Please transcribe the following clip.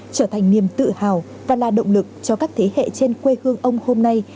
trở thành niềm tự hào và là động lực cho các thế hệ trên quê hương ông hôm nay